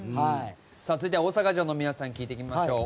続いては大阪城の皆さんに聞いてみましょう。